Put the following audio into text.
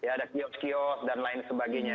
ada kiosk kiosk dan lain sebagainya